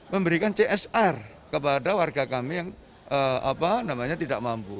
memberikan csr kepada warga kami yang tidak mampu